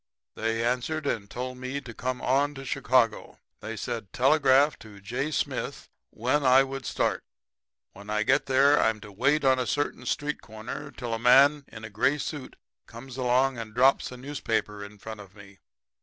They answered and told me to come on to Chicago. They said telegraph to J. Smith when I would start. When I get there I'm to wait on a certain street corner till a man in a gray suit comes along and drops a newspaper in front of me.